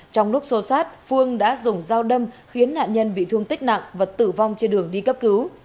trong lúc xô sát phương đã dùng dao đâm khiến nạn nhân bị thương tích nặng và tử vong trên đường đi cấp cứu